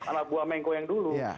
anak buah mengko yang dulu